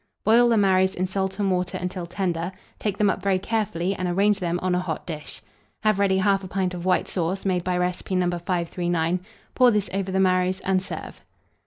Boil the marrows in salt and water until tender; take them up very carefully, and arrange them on a hot dish. Have ready 1/2 pint of white sauce, made by recipe No. 539; pour this over the marrows, and serve.